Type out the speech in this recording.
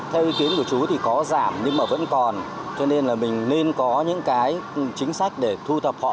theo ý kiến của chú thì có giảm nhưng mà vẫn còn cho nên là mình nên có những cái chính sách để thu thập họ